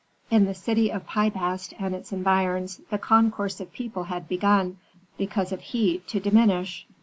In the city of Pi Bast and its environs the concourse of people had begun, because of heat, to diminish.